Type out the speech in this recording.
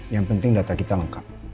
yang penting data kita lengkap